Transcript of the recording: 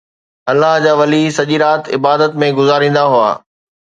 الله جا ولي سڄي رات عبادت ۾ گذاريندا هئا